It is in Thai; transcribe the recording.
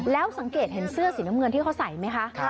แล้วสังเกตเห็นเสื้อสีน้ำเงินที่เขาใส่ไหมคะ